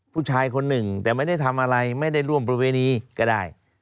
ผู้ชายคนหนึ่งแต่ไม่ได้ทำอะไรไม่ได้ร่วมประเวณีก็ได้